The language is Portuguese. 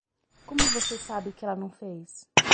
Como você sabe que ela não fez?